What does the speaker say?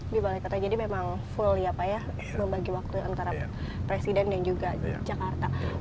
di balai kota jadi memang full ya pak ya membagi waktu antara presiden dan juga jakarta